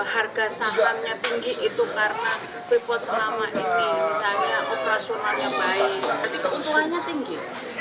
harga sahamnya tinggi itu karena freeport selama ini